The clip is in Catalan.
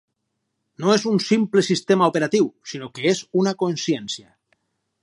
No és un simple sistema operatiu, sinó que és una consciència.